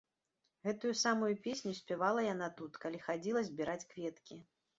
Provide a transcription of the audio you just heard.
Гэтую самую песню спявала яна тут, калі хадзіла збіраць кветкі.